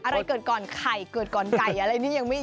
อะไรเกิดก่อนไข่เกิดก่อนไก่อะไรนี้